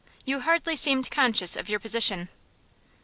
You hardly seemed conscious of your position."